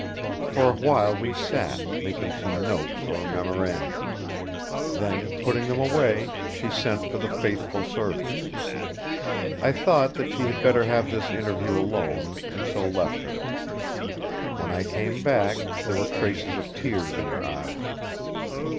For a while she sat, making some notes or memoranda. Then putting them away, she sent for the faithful servants. I thought that she had better have this interview alone, and so left her. When I came back there were traces of tears in her eyes.